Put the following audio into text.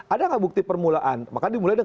ada nggak bukti permulaan